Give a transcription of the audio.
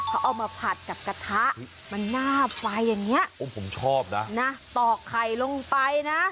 เขาเอามาผัดกับกระทะมันหน้าไฟอย่างนี้ผมชอบนะนะตอกไข่ลงไปนะ